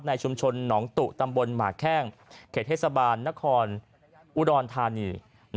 ชุมชนหนองตุตำบลหมาแข้งเขตเทศบาลนครอุดรธานี